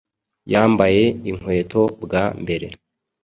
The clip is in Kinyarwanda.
Yambaye inkweto bwa mbere